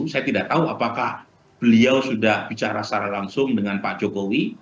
saya tidak tahu apakah beliau sudah bicara secara langsung dengan pak jokowi